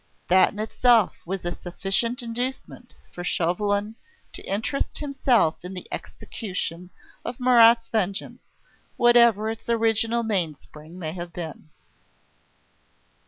That in itself was a sufficient inducement for Chauvelin to interest himself in the execution of Marat's vengeance, whatever its original mainspring may have been.